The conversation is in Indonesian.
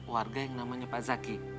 warga yang namanya pak zaki